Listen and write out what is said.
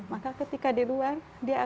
maka ketika di luar